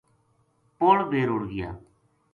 پل بے رُڑ گیا